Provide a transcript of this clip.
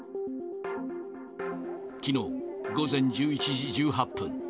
きのう午前１１時１８分。